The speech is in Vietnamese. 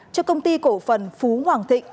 cho công ty cổ phần phú hoàng thịnh